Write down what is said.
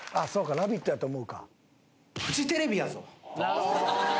『ラヴィット！』やと思うか」